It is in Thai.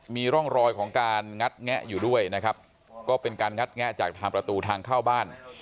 มีร่องรอยของการงัดแงะอยู่ด้วยนะครับก็เป็นการงัดแงะจากทางประตูทางเข้าบ้าน